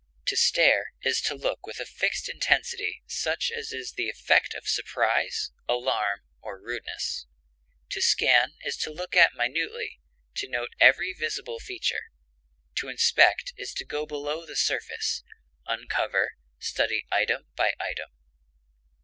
To stare is to look with a fixed intensity such as is the effect of surprise, alarm, or rudeness. To scan is to look at minutely, to note every visible feature. To inspect is to go below the surface, uncover, study item by item.